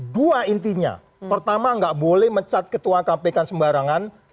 dua intinya pertama nggak boleh mencat ketua kpk sembarangan